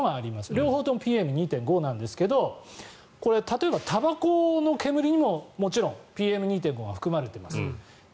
両方ともＰＭ２．５なんですけどこれ、例えば、たばこの煙にももちろんＰＭ２．５が含まれています。